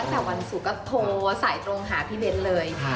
ข่าวตั้งแต่วันสุกแล้วก็โทรวงหาพี่เบนเลย